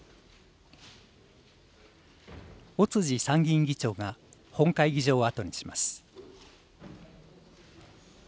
尾辻参議院議長が、本会議場を後にします。